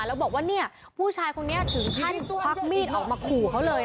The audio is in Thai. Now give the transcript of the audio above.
แล้วบอกว่านี้ผู้ชายคนนี้ถึงค่านะคะปักมีถออกมาขู่่เค้าเลย